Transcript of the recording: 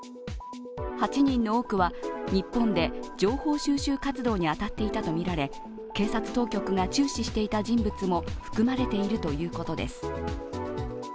８人の多くは日本で情報収集活動に当たっていたとみられ警察当局が注視していた人物も含まれているということです。